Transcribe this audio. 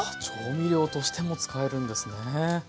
調味料としても使えるんですね。